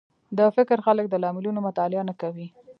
د فکر خلک د لاملونو مطالعه نه کوي